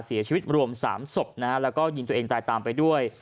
เสียชีวิตรวม๓ศพและยิงตัวเองตายตามไปด้วย